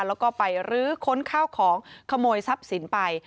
แล้วก็ไปรื้อค้นข้าวของขโมยทรัพย์สินไป